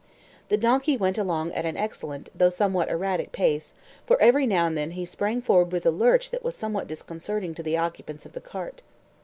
The donkey went along at an excellent, though somewhat erratic, pace, for every now and then he sprang forward with a lurch that was somewhat disconcerting to the occupants of the cart.